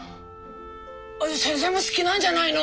先生も好きなんじゃないの？